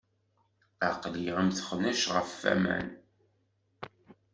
Aql-i am texnact ɣef waman.